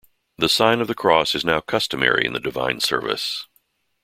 The sign of the cross is now customary in the Divine Service.